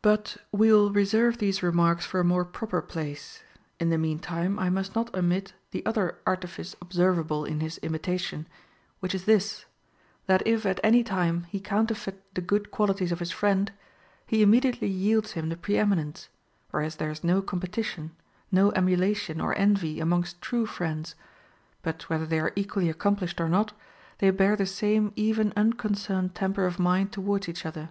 But we will reserve these remarks for a more proper place. In the mean time I must not omit the other artifice observable in his imitation, which is this : that if at any time he counterfeit the good qualities of his friend, he im mediately yields him the pre eminence ; whereas there is no competition, no emulation or envy amongst true friends, but whether they are equally accomplished or not, they bear the same even unconcerned temper of mind towards each other.